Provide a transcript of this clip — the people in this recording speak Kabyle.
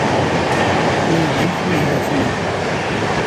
La yettzuxxu zdat-neɣ.